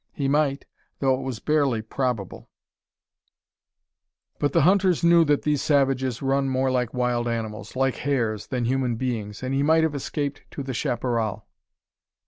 He might, though it was barely probable; but the hunters knew that these savages run more like wild animals, like hares, than human beings, and he might have escaped to the chapparal.